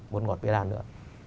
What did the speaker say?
bột ngọt bế đan nữa